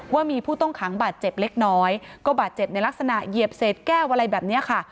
ว่ามีผู้ต้องขังบาดเจ็บเล็กน้อยก็บาดเจ็บในลักษณะเหยียบเศษแก้วอะไรแบบนี้ค่ะ